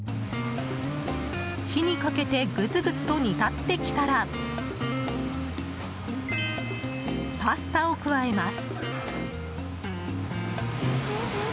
火にかけてグツグツと煮立ってきたらパスタを加えます。